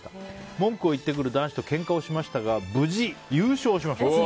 文句を言ってくる男子とけんかをしましたが無事優勝しました。